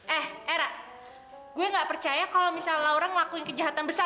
eh era gue gak percaya kalau misalnya laura ngelakuin kejahatan besar